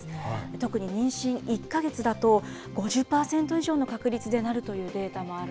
特に妊娠１か月だと、５０％以上の確率でなるというデータもある